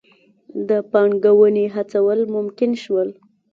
د پانګونې هڅول ممکن شول.